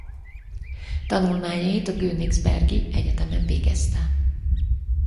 Tanulmányait a königsbergi egyetemen végezte.